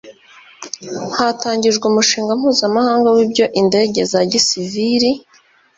Hatangijwe Umushinga mpuzamahanga w ibyo indege za gisivili